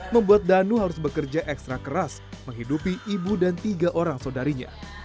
membuat danu harus bekerja ekstra keras menghidupi ibu dan tiga orang saudarinya